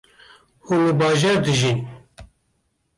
Hûn li bajêr dijîn